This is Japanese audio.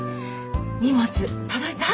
荷物届いた？